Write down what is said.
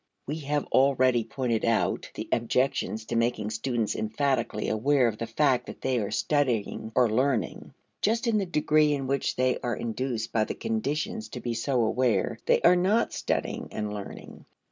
We have already pointed out (See p. 169) the objections to making students emphatically aware of the fact that they are studying or learning. Just in the degree in which they are induced by the conditions to be so aware, they are not studying and learning.